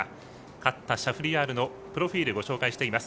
勝ったシャフリヤールのプロフィールご紹介しています。